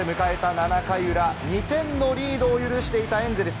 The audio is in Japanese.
７回裏、２点のリードを許していたエンゼルス。